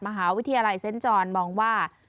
มหาวิทยาลัยเซ็นต์จรมองว่า